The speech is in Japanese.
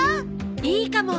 いいかも！